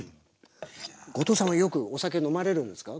後藤さんはよくお酒飲まれるんですか？